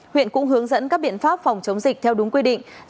huyện cũng hướng dẫn các biện pháp phòng chống dịch theo đúng quy định